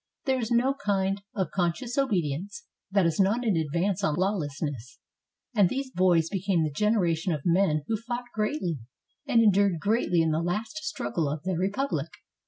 There is no kind of con scious obedience that is not an advance on lawlessness, and these boys became the generation of men who fought greatly and endured greatly in the last struggle of their Republic.